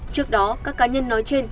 trước đó các cá nhân nói trên